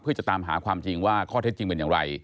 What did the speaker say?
เพื่อจะตามหาความจริงว่าข้อเท็จจริงเป็นอย่างไร